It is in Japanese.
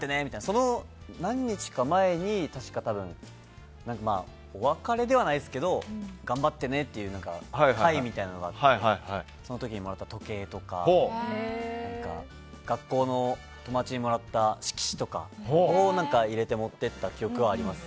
その何日か前に確か、お別れではないですけど頑張ってねっていう会みたいなのがあってその時にもらった時計とか学校の友達にもらった色紙とかを入れて持って行った記憶があります。